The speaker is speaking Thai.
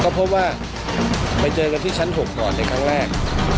พบว่าก็เสร็จที่ชั้นหกก่อนในชั้นอีกแรก